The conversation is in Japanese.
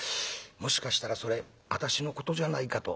もしかしたらそれ私のことじゃないかと」。